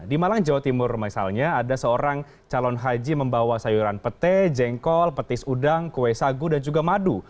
di malang jawa timur misalnya ada seorang calon haji membawa sayuran pete jengkol petis udang kue sagu dan juga madu